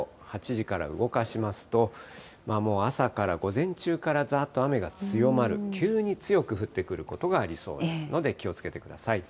８時から動かしますと、朝から、午前中からざーっと雨が強まる、急に強く降ってくることがありそうですので、気をつけてください。